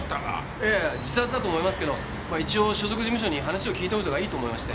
いえ自殺だと思いますけど一応所属事務所に話を聞いておいたほうがいいと思いまして。